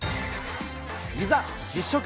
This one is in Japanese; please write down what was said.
いざ実食。